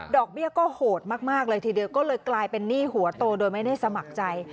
เบี้ยก็โหดมากเลยทีเดียวก็เลยกลายเป็นหนี้หัวโตโดยไม่ได้สมัครใจ